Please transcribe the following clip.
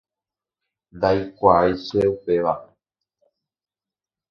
Ndaikuaái che upéva.